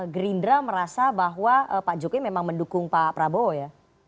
gerindra merasa bahwa pak jokowi memang mendukung pak prabowo ya